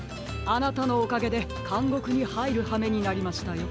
あなたのおかげでかんごくにはいるはめになりましたよ。